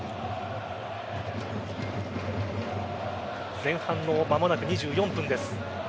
前半の間もなく２４分です。